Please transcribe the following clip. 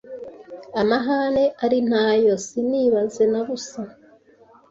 Amahane ali nta yo Sinibaze na busa